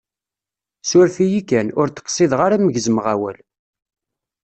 Suref-iyi kan, ur d-qsideɣ ara m-gezmeɣ awal.